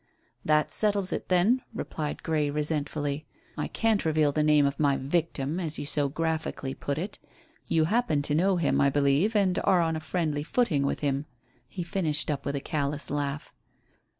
"That settles it then," replied Grey resentfully. "I can't reveal the name of my 'victim,' as you so graphically put it. You happen to know him, I believe, and are on a friendly footing with him." He finished up with a callous laugh.